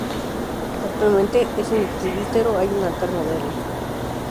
Actualmente, en el presbiterio, hay un altar moderno.